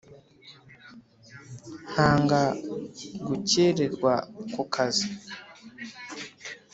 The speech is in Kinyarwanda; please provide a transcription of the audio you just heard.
Ntanga gukererwa kukazi